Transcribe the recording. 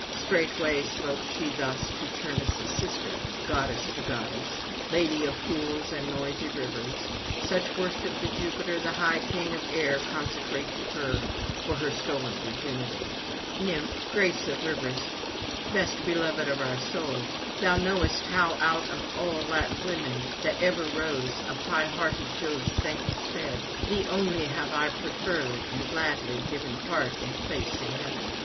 Straightway spoke she thus to Turnus' sister, goddess to goddess, lady of pools and noisy rivers: such worship did Jupiter the high king of air consecrate to her for her stolen virginity: 'Nymph, grace of rivers, best beloved of our soul, thou knowest how out of all the Latin women that ever rose to high hearted Jove's thankless bed, thee only have I preferred and gladly given part and place in heaven.